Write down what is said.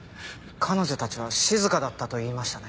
彼女たちは静かだったと言いましたね？